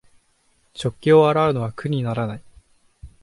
食器を洗うのは苦にならない